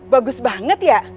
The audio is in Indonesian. bagus banget ya